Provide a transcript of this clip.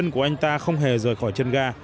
của anh ta không hề rời khỏi chân ga